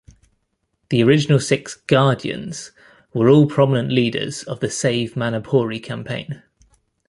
The original six "Guardians" were all prominent leaders of the Save Manapouri Campaign.